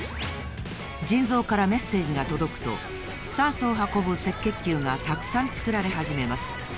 じんぞうからメッセージがとどくと酸素を運ぶ赤血球がたくさんつくられはじめます。